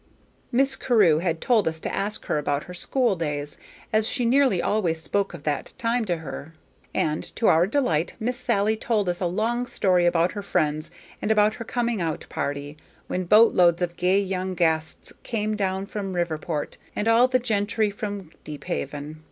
Miss Carew had told us to ask her about her school days, as she nearly always spoke of that time to her; and, to our delight, Miss Sally told us a long story about her friends and about her "coming out party," when boat loads of gay young guests came down from Riverport, and all the gentry from Deephaven.